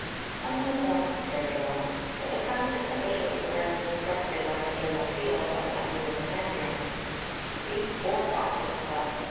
Some reforms were carried out, but the permanent officials were as obstructive under General Peel as under Lord Panmure. "These War Office Subs.